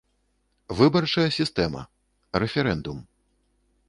ВЫБАРЧАЯ СІСТЭМА. РЭФЕРЭНДУМ